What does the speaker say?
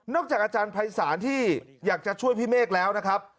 จากอาจารย์ภัยศาลที่อยากจะช่วยพี่เมฆแล้วนะครับ